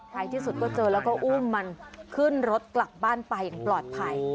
ท้ายที่สุดก็เจอแล้วก็อุ้มมันขึ้นรถกลับบ้านไปอย่างปลอดภัย